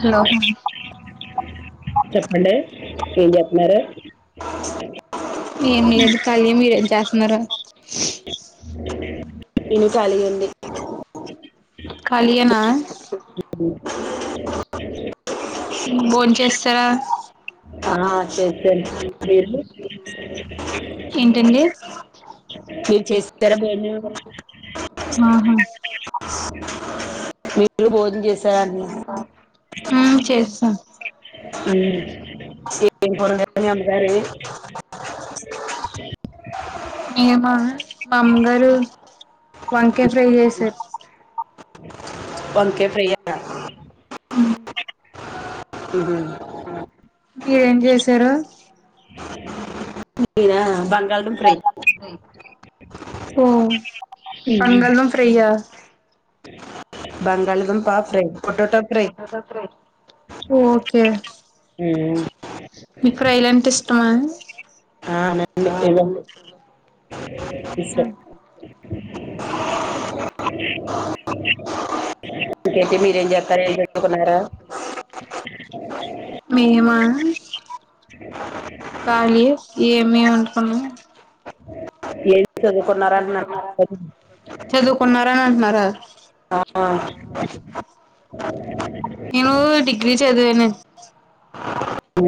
Hello చెప్పండీ ఏం చేతున్నరు ఏం లేదు కాలి మీరు ఏంచేస్తున్నారు నేను ఖాళీగా ఉండే ఖాళీయేనా భోన్ చేస్తరా ఆ చేసేసాను మీరు ఏంటండి మీరు చేసే సారా భోజనం ఆహా మీరు భోజనం జేసి సాని ఉమ్ చేస్తాం ఊ కా [unintelligible] మేమా మా అమ్మగారు వంకాయ ఫ్రై జెసారు వంక ఉ మీరేం జేసారు మి దా బంగాళ దుంప ఫ్రై ఓ పంగ ఫ్రీయా బంగాళ దుంపా ఫ్రై పోటాటో ఫ్రై ఓకే మీకు ఫ్రై లంటే ఇష్టమా ఆ పదం మిస్టేక్ [unintelligible] కతే మీరేం చెప్త ఏం చెకున్నారుర [unintelligible] మేమా కాాలియే ఏమి వండుకున్నా ఎ చదువుకున్నారా అంటున్నారు చదువుకున్నారని అంటున్నారా అ ఆ [inaudible] నువ్వు డిగ్రీ చదు [unintelligible] హు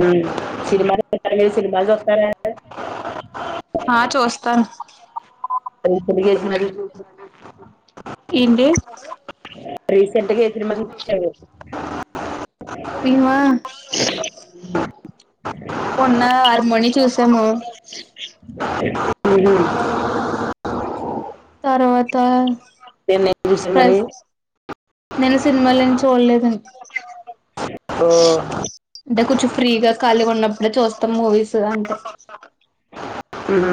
సినిమాలు [unintelligible] సినిమాలు చూస్తారా హా చూస్తాను ఏంటి రీసెంట్గా ఏ సినిమా చూసావ్ మిమ మొన్న ఆర మీ చూసాము మ్మ్ హ్మ్ తర్వాత చూసాను మరి ప్రస్ నేను సినిమాలు ఏమి చూడలేదండీ ఓ అంటే కొంచెం ఫ్రీగా ఖాళీగా ఉన్నప్పుడే చూస్తాం మూవీస్ అంతే హ్మ్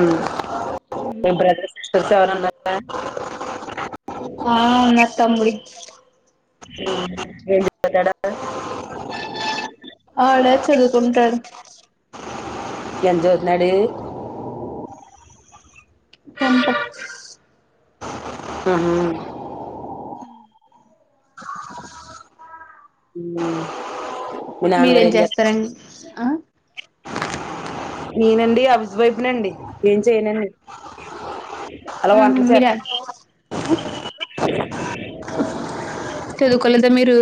మీ బ్రదర్ సిస్టర్స్ ఎవరన్నా ఆ ఉన్నాడు తముడి హ్మ్ ఎం చేస్తున్నాడు ఆడే చదువుకుంటాడు ఎం చదువుతున్నాడు టెన్త్ ఆహా [inaudible] మ్మ్ మీ నాన్నగారు మీరేం ఏం చేస్తారు చేస్తారండి ఆ నేనండి హౌస్ వైఫ్నండి ఏం చేయనండి అలా ఉహు వంటలు మీరా చేస్త చదువుకోలేదా మీరు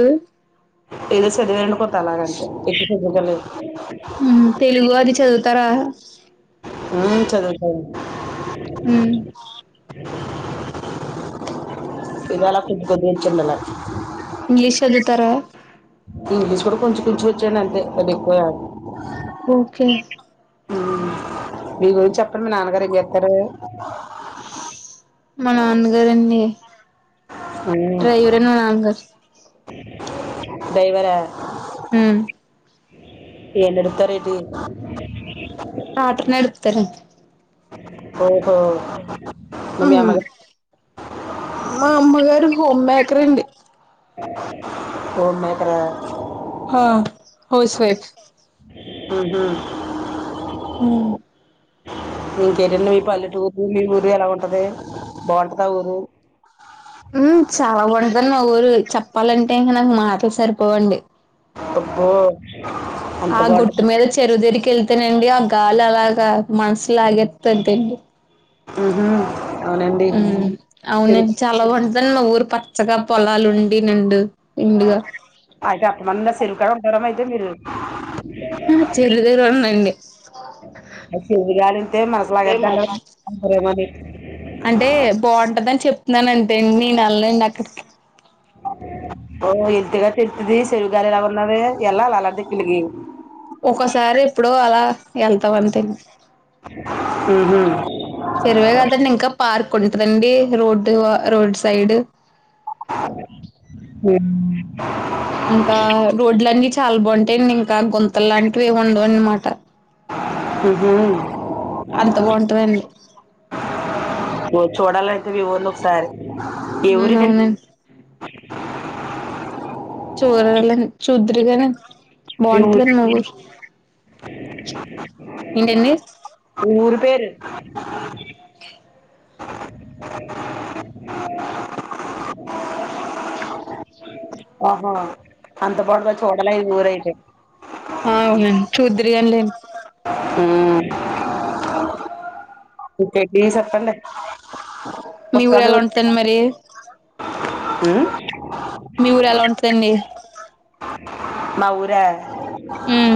ఏదో చదివా నండి కొంత అలాగ అంతే ఎక్కువ చదువుకోలేదు మ్మ్ తెలుగు అది చదువుతారా ఆ చదువుతానండి హ్మ్ ఇవాళ కొద్ది కొద్ది ఇచ్చిండు ఆలా ఇంగ్లీష్ చదుతార ఇంగ్లీష్ కూడా కొంచెం కొంచెం వచ్చాండి అంతే అది ఎక్కువ రాదు ఓకే మీ గురించి చెప్పండి మీ నాన్నగారు ఏం జేస్తారు మా నాన్నగారుండి మ్మ్ డ్రైవర్ అండి మా నాన్నగారు డ్రైవరా హ్మ్ ఏ నడుపుతారేంటి ట్రాక్టర్ నడుపుతారు ఓహో మీ అమ్మగారు మా అమ్మగారు హోమ్ మేకర్ అండి హోమ్ మేకర్ ఆ హా హౌస్ వైప్ ఆహా ఉమ్ ఇంకేంటండి మీ పల్లెటూరు మీ ఊరు ఎలా ఉంటది బాగుంటద ఊరు ఉమ్ చాలా బాంటదండి మా ఊరు చెప్పాలంటే ఇంగా నాకు మాటలు సరిపోవండి అబ్బో అంత ఆ గుట్ట బాగుంటది మీద చెరువు దేరి కెళ్తానండి ఆ గాలి అలాగా మనసులాగెతుందండి ఆహా మ్మ్ అవునండి చాలా బాగుంటందడి మా ఊరు పచ్చగా పొలాలు ఉండి నిండు నిండుగా అయితే ఆఫ్టర్నూన్ చెరువు కాడా ఉంటార అయితే మీరు ఆ చెల్ దగ్గర ఉన్నాయండీ అ శివుగాలంతే మనసులాగేద్దన్నేమని అంటే బాగుంటదిని చెప్తున్నాను అంతేండి నేను నలండి అక్కడికి ఓ ఇంతగా తెతుది చెరువు గలి ఎలా ఉన్న ఎల్లా అలా అలాంటిది కిలికి ఒకసారి ఇప్పుడు అలా వెళ్తాం అంతే ఆహా చెరివే కదండి ఇంకా పార్క్ ఉంటదండి రోడ్ రోడ్డు సైడ్ హ [inaudible] ఇంకా రోడ్లన్నీ చాలా బాగుంటాయండి ఇంకా గుం తలు లాంటివి ఏం ఉండవు అన్నమాట ఉహు అంత బాగుంటదండి ఇవి వండు ఒకసారి [unintelligible] ఎవరి ఉమ్ అవునండి చూరాలని చూదురుగానీ బాగుంటదండి మా ఊరు ఏంటండి అ [inaudible] ఊరు పేరు అ [unintelligible] ఆహా అంత బా చూడాల ఊరైతే ఆ అవునండి చూద్దురుగాని లేండి చెప్పండి మీ ఊరు పుస్తకాలు ఎలా ఉంటదండి మరి ఉమ్ మీ ఊరు ఎలా ఉంటదండి మా ఊరా ఉమ్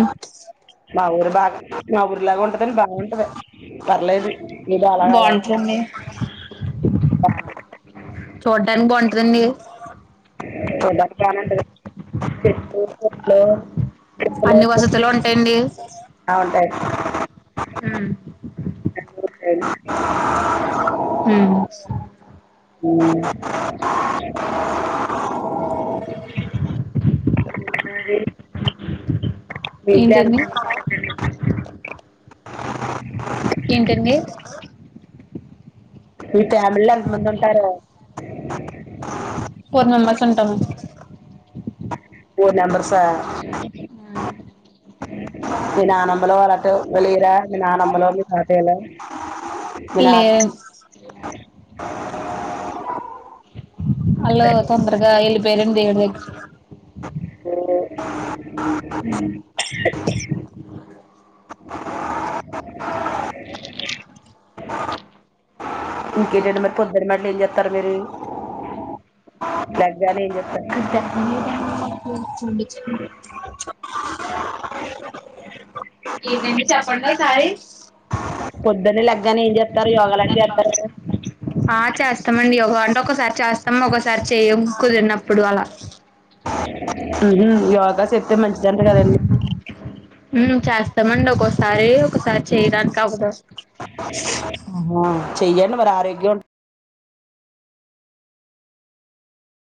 మా ఊరు బాగా మా ఊరి లాగా ఉంటదండి బాగుంటది పర్లేదు ఏదో బాగుంటదండి ఆ చూడ్డానికి బాగుంటదండి చూడడానికి బానే ఉంటది చెట్లు పుట్లు అన్ని వసతులు ఉంటాయండి ఆ ఉంటాయి అండి [inaudible] ఏ [inaudible] ఉమ్ అ [inaudible] అే [unintelligible] మీజ ఏంటండి [unintelligible] ఏంటండి మీ ఫ్యామిలీలో ఎంత మంది ఉంటారు ఫోర్ మెంబర్స్ ఉంటాము ఫోర్ మెంబర్సా మీ నాన్నమ్మలు అటు లేరా నానమ్మలు తాతయ్యలు ఇ [inaudible] [inaudible] ఆల్లు తొందరగా యెళ్ళిపోయారండి దేవుడి దగ్గరకి [inaudible] ఇంకేంటండి మరి పొద్దున్న మట్లు ఏం జేస్తారు మీరు లేవగానే ఏం జేస్తారు మీరు [unintelligible] ఏంటండి చెప్పండి ఒకసారి పొద్దున్న లేగానే ఏం జేత్తారు యోగా లాగ జేత్తార ఆ చేస్తామండి యోగా అంటే ఒకసారి చేస్తాం ఒకసారి చేయ్యం కుదిరినప్పుడు అలా హుహూ యోగా చేస్తే మంచిదంట గదండి ఉమ్ చేస్ చేస్తమండి ఒకొసారి ఒకసారి చేయడానికి అవదు ఆహా చెయ్యండి మరి ఆరోగ్యం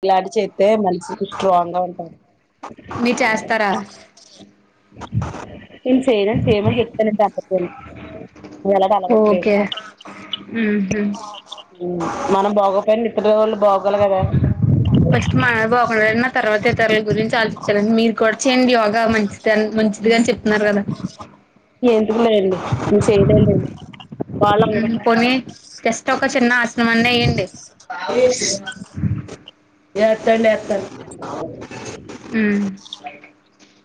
ఇలాంటి చేత్తె మనిషికి స్ట్రాంగ్ గా ఉంటది మీరు చేస్తారా నేన్ చేయనండి చేయమని చెప్తానండి తప్పితే నాక్ అలాంటి అలవట్లేద్ ఉమ్ మ్ మనం బాగొపోయిన ఇప్పంట్లో వాళ్ళు బాగొలి కదా! [unintelligible] ఫస్ట్ మా బాగున్నా తర్వాత ఇతరుల గురించి ఆలోచించాలండి. మీరు కూడా చేయండి యోగా మంచిదన్ మంచిది అని చెప్ ఎందుకు లేండి నేన్ చేయలేన్ లేండి మ్ హు పోని జస్ట్ ఒక చిన్న ఆసనం అన్న ఎయ్యండి. ఏ ఎత్తండ్ ఎత్తన్. ఉమ్ మ్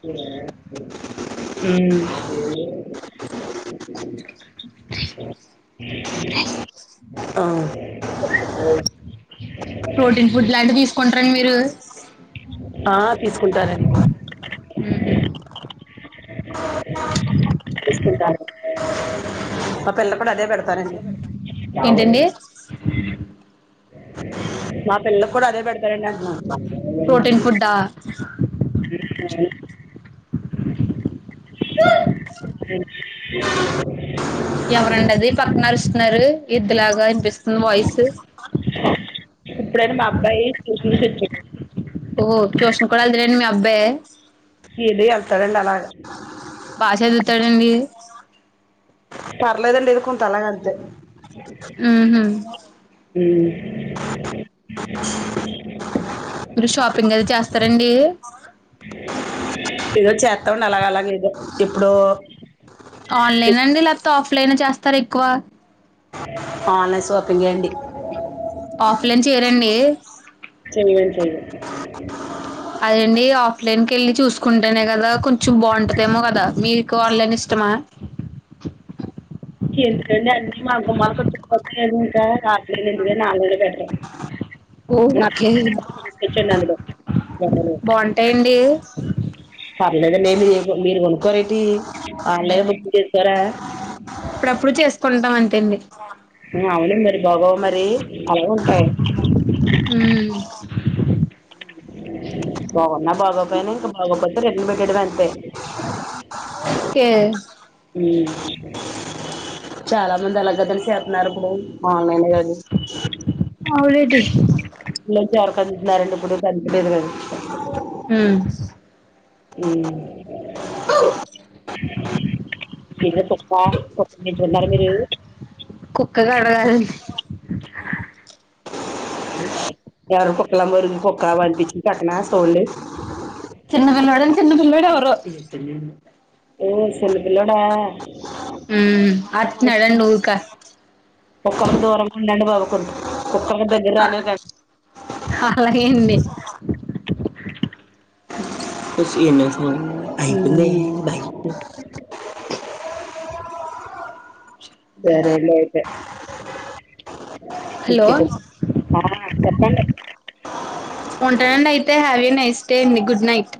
ప్రోటీన్ ఫుడ్ లాంటివి తీసుకుంటారండి మీరు ఆ [unintelligible] ఆ తీసుకుంటారండి. మ్ హు తీసుకుంటారు పప్ పిల్ల కూడా అదే పెడతనంది ఏంటండి మా పిల్లకు కూడా అదే పెడత్ పెయిన్డంటన. ప్రోటీన్ ఫుడ్డా [unintelligible] ఎవరండది పక్కనరుస్తున్నరు ఇద్ లాగా అనిపిస్తుంది వాయిసు. యినిపిచ్చిన ఓహ్ ట్యూషన్ కూడ ఎళ్తాడ అండి మీ అబ్బాయి? ఇది వెళ్తాడండి అలాగ బా చదువుతాడండి. పర్లేదండి ఏదో కొంత అలాగంతే. మ్ హు మ్ ఉ [unintelligible] మీరు షాపింగ్ అది చేస్తరండి? చేస్తమండి అలాగలాగేదొ ఎప్పుడో. ఆన్లైన్ అండి. లేకపోతే, ఆఫ్లైన్ లో చేస్తారా ఎక్కువ? ఆన్లైన్ సోపింగే అండి. ఆఫ్లైన్ చేయరండి చేయగాన్ చేయడు. అదండీ ఇగ ఆఫ్లైన్ కేళ్ళి, చూసుకుంటేనే కదా! కొంచెం బాగుంటదేమో గదా! మీకు ఆన్లైన్ ఇష్టమా? [unintelligible] ఎందుకండి అన్ని మా గుమ్మాలకోచ్చి పోతలేదు. ఇంకా రాట్లేదు ఎందుకని ఆన్లైనే బేటరు. ఓ ఓకే నచ్చితే బాగ తీసుకోచ్చన్ అందులో ఎవరో బాగుంటాయండి షా మీ దగ్గర లేంది మీరు కొనుక్కోరేటి ఆన్లైన్ బుకింగ్ చేసుకోరా? అప్పుడప్పుడు చేసుకుంటాం అన్ ఉ అవును మరి. బాగోవా మరీ, అలాగే ఉంటాయి. మ్ బాగున్నా, బాగోపోయినా ఇంక బాగోపోతే, రిటర్న్ పెట్టేయడమే అంతె. కె చాలా మంది అలగద్దని సేతున్నారు ఇప్పుడు ఆన్లైన్ ఎ అన్ని అవులేడి. ఇప్పనుంచి అరక దింతున్నారండి ఇప్పుడు కాని పేదవారు మ్ మ్ అవు [unintelligible] మీరు [unintelligible] అ ఎరు పొక్కలం వరుం పొక్క వడ్డించి కట్టనా సోలే. చిన్నపిలోడున్ చిన్న పిల్లోడెవరో. ! ఊ సిన్నపిల్లోడా.? ఉమ్ అరుస్తున్నాడండి ఊరిక ఒక్కప్పు దూరంగుండండి బాబు. కొక్క్ కుక్కల్ని దగ్గరానివ్కండి. అలాగే అండి [unintelligible] సరేలే ఐతే. హలో [inaudible] ఆ చెప్పండి. ! ఉంటానండి అయితే. హ్యావే నైస్ డే అండి. ! Good night.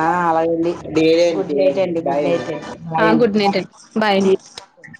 ఆ అలాగెండి డే, గుడ్డు నైట్ అండి. బాయ్ అయితే, బాయ్ ఆ గుడ్ నైట్ బాయ్ అండి అండి. [inaudible]